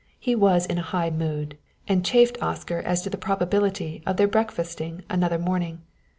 He was in a high mood, and chaffed Oscar as to the probability of their breakfasting another morning.